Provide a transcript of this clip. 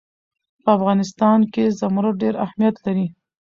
په افغانستان کې زمرد ډېر اهمیت لري.